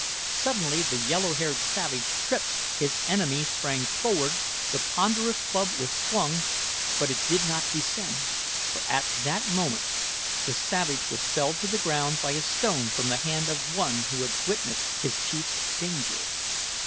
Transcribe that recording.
Suddenly the yellow haired savage tripped, his enemy sprang forward, the ponderous club was swung; but it did not descend, for at that moment the savage was felled to the ground by a stone from the hand of one who had witnessed his chief's danger.